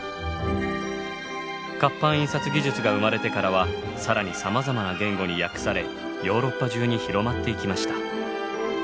活版印刷技術が生まれてからは更にさまざまな言語に訳されヨーロッパ中に広まっていきました。